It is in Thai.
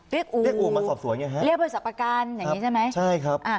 อู่เรียกอู่มาสอบสวนไงฮะเรียกบริษัทประกันอย่างนี้ใช่ไหมใช่ครับอ่า